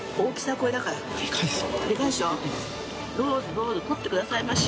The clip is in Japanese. ・どうぞ撮ってくださいまし。